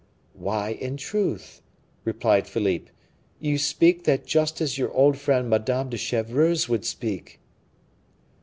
"Why, in truth," replied Philippe, "you speak that just as your old friend Madame de Chevreuse would speak."